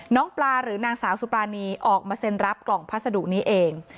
น้องปลาหรือนางสาวสุปรานีออกมาเซ็นรับกล่องพัสดุนี้เอง